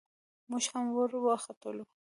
موږ هم ور وختلو.